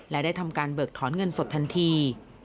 และได้ทำการเบิกถอนเงินสดทันที